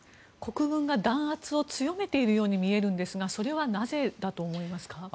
国軍が弾圧を強めているように見えるんですがそれはなぜだと思いますか。